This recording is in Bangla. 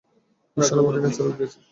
ঈশ্বর আমাকে ক্যান্সার রোগ দিয়েছে?